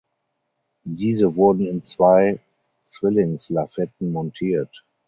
Diese wurden in zwei Zwillingslafetten montiert.